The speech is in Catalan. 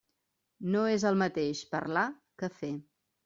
No és el mateix parlar que fer.